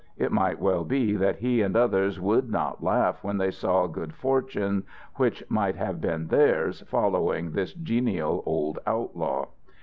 It might well be that he and others would not laugh when they saw good fortune which might have been theirs following this genial old outlaw.